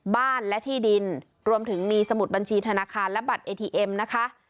บ้านและที่ดินรวมถึงมีสมุดบัญชีธนาคารและบัตรเอทีเอ็มนะคะ